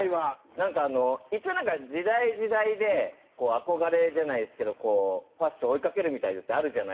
なんか一応時代時代で憧れじゃないですけどこうファッション追いかけるみたいのってあるじゃないですか。